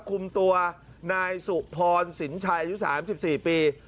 คุมตัวนายสุพรสินชัยอายุ๓๔ปี